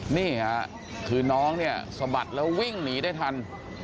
นี่ค่ะคือน้องเนี่ยสะบัดแล้ววิ่งหนีได้ทัน